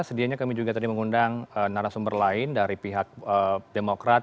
sedianya kami juga tadi mengundang narasumber lain dari pihak demokrat